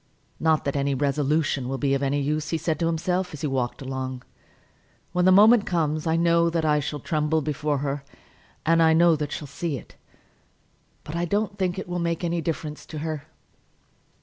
"Not that any resolution will be of any use," he said to himself, as he walked along. "When the moment comes I know that I shall tremble before her, and I know that she'll see it; but I don't think it will make any difference in her."